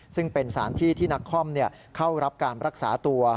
ซึ่งเป็นสารที่ที่นักคอมเข้ารับการรักษาตัว